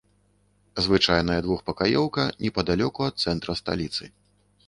Звычайная двухпакаёўка непадалёку ад цэнтра сталіцы.